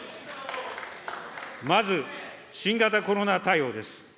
まず新型コロナ対応です。